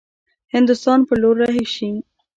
هندوستان پر لور رهي شي.